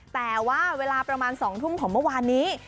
แต่ว่าเวลาประมาณ๒ทุ่มของเมื่อวานนี้